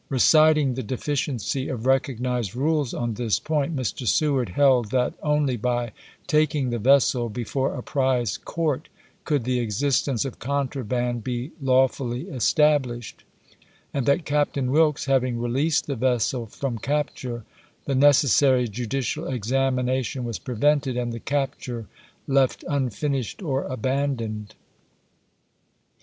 " Reciting the deficiency of I'ecognized rules on this point, Mr. Seward held that only by taking the vessel before a prize court could the existence of contraband be lawfully established ; and that Cap tain Wilkes having released the vessel from capture, the necessary judicial examination was prevented, and the capture left unfinished or abandoned.